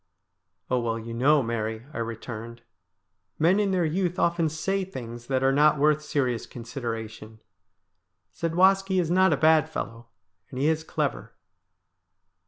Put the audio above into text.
' Oh, well, you know, Mary,' I returned, ' men in their youth often say things that are not worth serious consideration. Zadwaski is not a bad fellow, and he is clever.'